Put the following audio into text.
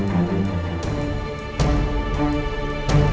kak rasa takut kak